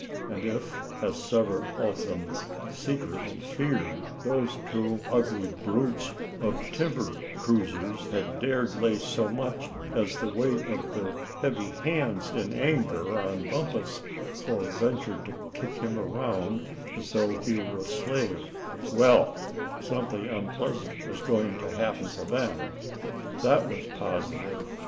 And if, as several of them secretly feared, those two ugly brutes of timber cruisers had dared lay so much as the weight of their heavy hands in anger on Bumpus, or ventured to kick him around as though he were a slave well, something unpleasant was going to happen to them, that was positive.